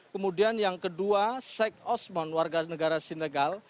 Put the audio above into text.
kemudian yang kedua syekh osman warga negara senegal